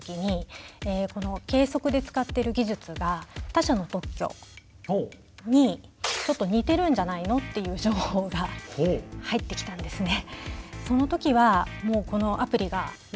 他社の特許にちょっと似てるんじゃないのっていう情報が入ってきたんですね。